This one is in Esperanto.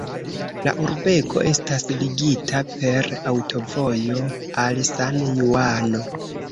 La urbego estas ligita per aŭtovojo al San-Juano.